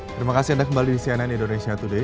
terima kasih anda kembali di cnn indonesia today